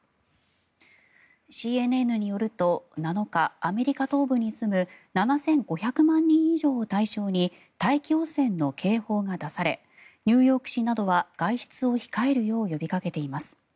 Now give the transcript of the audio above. ＣＮＮによると７日、アメリカ東部に住む７５００万人以上を対象に大気汚染の警報が出されニューヨーク市などは外出を控えるよう呼びかけています。